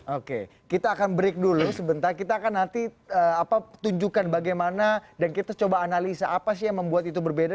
oke kita akan break dulu sebentar kita akan nanti tunjukkan bagaimana dan kita coba analisa apa sih yang membuat itu berbeda